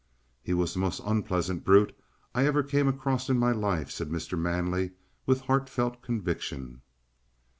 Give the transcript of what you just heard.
"He was the most unpleasant brute I ever came across in my life," said Mr. Manley with heartfelt conviction.